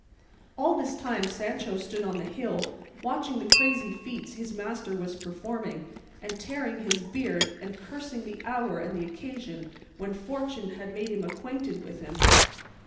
All this time Sancho stood on the hill watching the crazy feats his master was performing, and tearing his beard and cursing the hour and the occasion when fortune had made him acquainted with him.